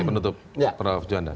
penutup prof juwanda